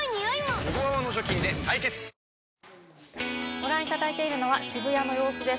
ご覧いただいているのは渋谷の様子です。